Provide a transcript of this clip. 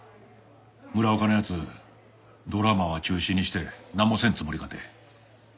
村岡の奴ドラマは中止にしてなんもせんつもりかて。